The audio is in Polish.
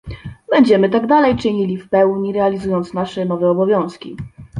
Będziemy tak dalej czynili, w pełni realizując nasze nowe obowiązki